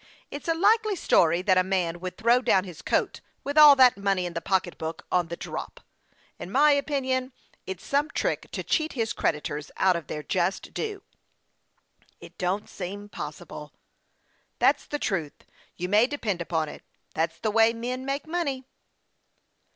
It's a likely story that a man would throw down his coat, with all that money in the pocket, on the drop. In my opinion it's some trick to cheat his creditors out of their just due." " It don't seem possible." " That's the truth, you may depend upon it. That's the way men make money."